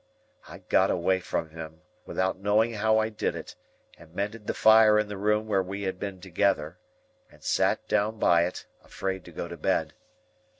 I got away from him, without knowing how I did it, and mended the fire in the room where we had been together, and sat down by it, afraid to go to bed.